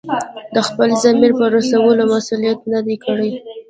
د خپل ضمیر په رسولو مصلحت نه دی کړی.